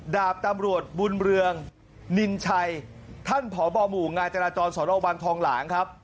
ดาบตำรวจบุญเรืองนินชัยท่านผอบหมู่งานจราจรสนวังทองหลางครับ